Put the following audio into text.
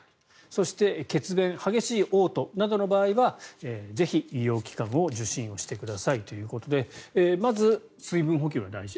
そして血便激しいおう吐などの場合はぜひ医療機関を受診してくださいということでまず、水分補給が大事。